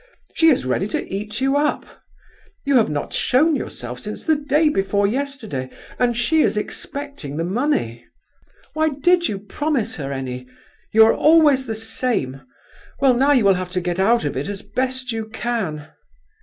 She is ready to eat you up! You have not shown yourself since the day before yesterday and she is expecting the money. Why did you promise her any? You are always the same! Well, now you will have to get out of it as best you can."